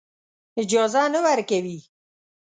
اجازه نه ورکوي.